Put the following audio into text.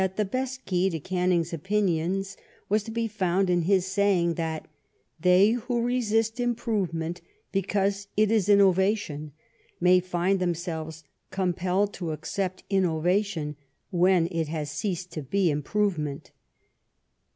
33 the best key to Canning's opinions was to be found in his saying that " they who resist improvement because it is innovation, may find themselves compelled to accept innovation when it has ceased to be improve ment.'